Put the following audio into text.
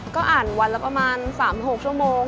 ก็อ่านวันละประมาณ๓๖ชั่วโมง